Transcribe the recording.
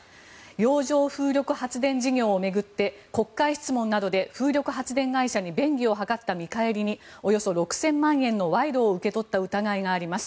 洋上風力発電事業を巡って国会質問などで風力発電会社に便宜を図った見返りにおよそ６０００万円の賄賂を受け取った疑いがあります。